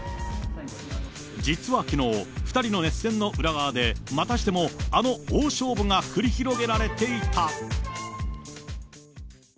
実はきのう、２人の熱戦の裏側で、またしてもあの大勝負が繰り広げられていた。